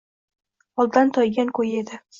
Holdan toygan ko‘yi edi.